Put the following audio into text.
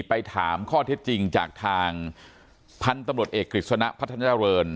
ไปถามข้อเท็จจริงจากทางพันธุ์ตำรวจเอกกฤษณะพัฒนาเจริญ